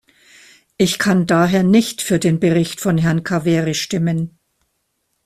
Ich kann daher nicht für den Bericht von Herrn Caveri stimmen.